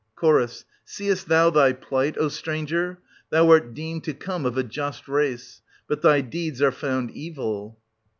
Ch. Seest thou thy plight, O stranger? Thou art deemed to come of a just race; but thy deeds are found evil.